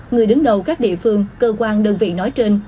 người đứng đầu các địa phương cơ quan đơn vị nói trên